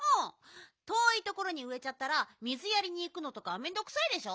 とおいところにうえちゃったら水やりにいくのとかめんどくさいでしょ。